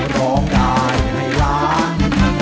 ร้องได้ให้ล้าน